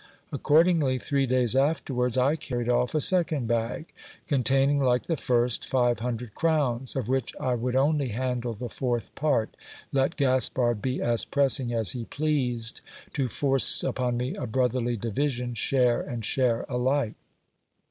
Accordingly, three days afterwards I carried off a second bag, containing, like the first, five hundred crowns, of which I would only handle the fourth part, let Gaspard be as pressing as he pleased to force upon me a brotherly division, share and share alike.